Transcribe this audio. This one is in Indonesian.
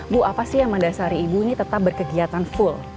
bu apa sih yang mendasari ibu ini tetap berkegiatan full